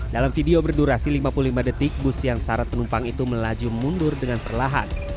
dalam video berdurasi lima puluh lima detik bus yang syarat penumpang itu melaju mundur dengan perlahan